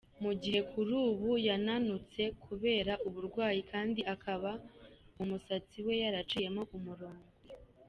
Mu gihe kuri ubu yananutse kubera uburwayi kandi akaba mu musatsi we yaraciyemo umurongo.